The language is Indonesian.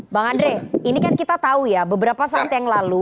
bang andre ini kan kita tahu ya beberapa saat yang lalu